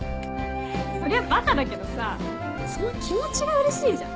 そりゃバカだけどさその気持ちがうれしいじゃん。